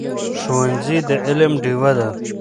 ښوونځی د علم ډېوه ده.